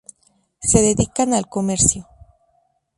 Se dedican al comercio.